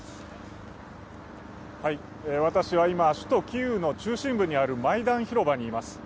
私は今、首都キーウの中心部にあるマイダン広場にいます。